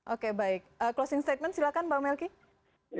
oke baik closing statement silakan mbak melky